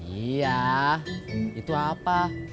iya itu apa